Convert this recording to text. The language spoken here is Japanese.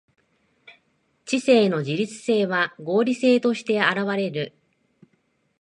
知性の自律性は合理性として現われる。